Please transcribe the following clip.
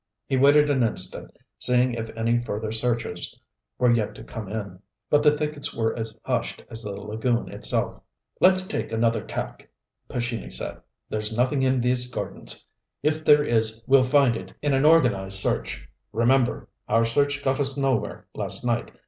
We waited an instant, seeing if any further searchers were yet to come in. But the thickets were as hushed as the lagoon itself. "Let's take another tack," Pescini said. "There's nothing in these gardens. If there is we'll find it in an organized search. Remember our search got us nowhere last night.